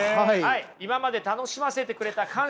今まで楽しませてくれた感謝のね